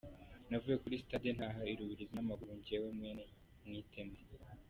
Navuye kuri sitade ntaha I Rubirizi n’ amaguru njyewe mwene Mwitende!”.